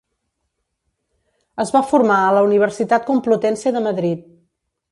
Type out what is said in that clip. Es va formar a la Universitat Complutense de Madrid.